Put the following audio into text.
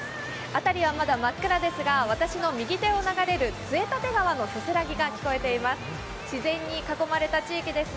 辺りはまだ真っ暗ですが私の右側を流れる杖立川の音が聞こえています。